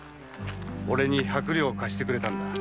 俺に百両貸してくれたんだ。